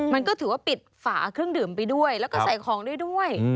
มันก็ถือว่าปิดฝาเครื่องดื่มไปด้วยแล้วก็ใส่ของได้ด้วย